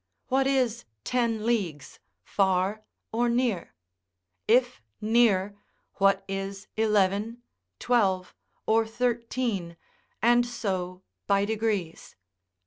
What is ten leagues: far or near? If near, what is eleven, twelve, or thirteen, and so by degrees.